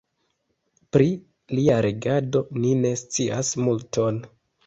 Pri lia regado ni ne scias multon.